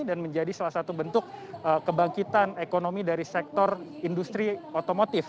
dan menjadi salah satu bentuk kebangkitan ekonomi dari sektor industri otomotif